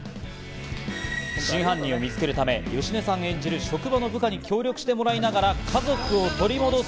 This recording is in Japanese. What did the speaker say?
真犯人を見つけるため、芳根さん演じる職場の部下に協力してもらいながら家族を取り戻す